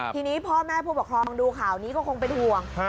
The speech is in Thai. ทีนี้พ่อแม่ผู้ปกครองดูข่าวนี้ก็คงเป็นห่วง